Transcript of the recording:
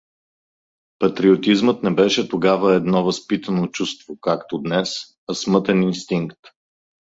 Патриотизмът не беше тогава едно възпитано чувство, както днес, а смътен инстинкт.